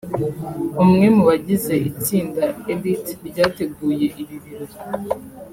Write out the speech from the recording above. umwe mu bagize itsinda itsinda Elite ryateguye ibi birori